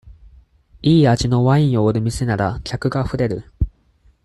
いい味のワインを売る店なら、客があふれる。